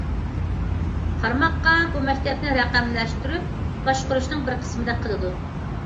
قارىماققا، بۇ مەكتەپنى رەقەملەشتۈرۈپ باشقۇرۇشنىڭ بىر قىسمىدەك قىلىدۇ.